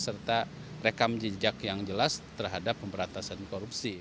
serta rekam jejak yang jelas terhadap pemberantasan korupsi